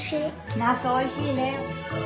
ナスおいしいね。